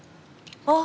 あっ！